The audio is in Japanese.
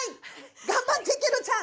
頑張ってケロちゃん！